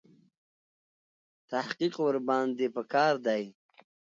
تحقیق ورباندې په کار دی.